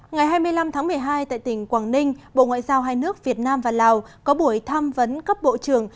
ngày hai mươi năm tháng một mươi hai tại tỉnh quảng ninh bộ ngoại giao hai nước việt nam và lào có buổi tham vấn cấp bộ trưởng